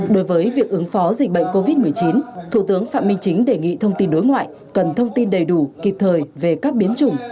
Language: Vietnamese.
đối với việc ứng phó dịch bệnh covid một mươi chín thủ tướng phạm minh chính đề nghị thông tin đối ngoại cần thông tin đầy đủ kịp thời về các biến chủng